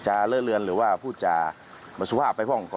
จะเลือดหรือว่าพูดจะสุภาพไปห้อง